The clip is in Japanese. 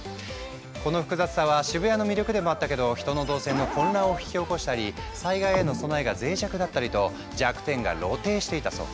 この複雑さは渋谷の魅力でもあったけど人の動線の混乱を引き起こしたり災害への備えがぜい弱だったりと弱点が露呈していたそう。